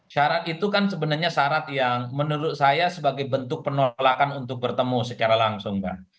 syarat itu kan sebenarnya syarat yang menurut saya sebagai bentuk penolakan untuk bertemu secara langsung mbak